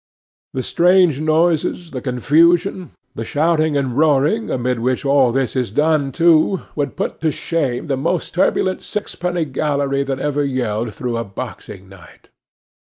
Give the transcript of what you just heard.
The strange noises, the confusion, the shouting and roaring, amid which all this is done, too, would put to shame the most turbulent sixpenny gallery that ever yelled through a boxing night.